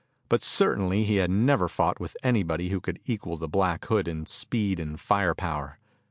But certainly he had never fought with anybody who could equal the Black Hood in speed and fire power.